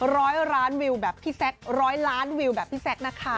ร้อยล้านวิวแบบพี่แซคร้อยล้านวิวแบบพี่แซคนะคะ